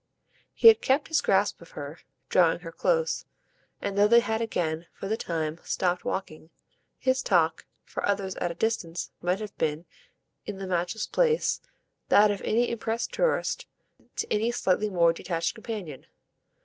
He had kept his grasp of her, drawing her close, and though they had again, for the time, stopped walking, his talk for others at a distance might have been, in the matchless place, that of any impressed tourist to any slightly more detached companion.